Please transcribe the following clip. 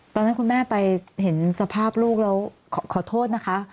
คุณแม่ไปเห็นสภาพลูกแล้วขอโทษนะคะ